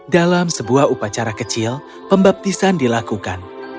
dalam sebuah upacara kecil pembaptisan dilakukan